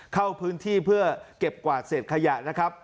เข้าพื้นที่เพื่อเก็บกวาดเสดขยะ